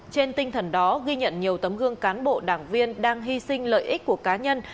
trên tinh thần đó ghi nhận nhiều tấm gương cán bộ đảng viên đang hy sinh lợi ích của cá nhân